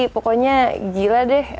pokoknya gila deh